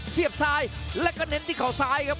เสียบซ้ายแล้วก็เน้นที่เขาซ้ายครับ